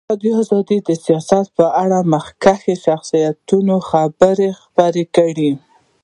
ازادي راډیو د سیاست په اړه د مخکښو شخصیتونو خبرې خپرې کړي.